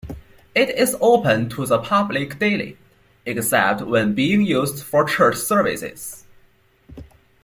It is open to the public daily, except when being used for church services.